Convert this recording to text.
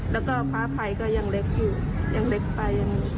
แล้วก็ฟ้าไทยก็ยังเล็กอยู่ยังเล็กไป